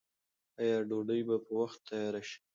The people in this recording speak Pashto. آیا ډوډۍ به په وخت تیاره شي؟